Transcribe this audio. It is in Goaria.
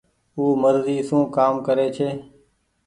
او مرزي سون ڪآم ڪري ڇي۔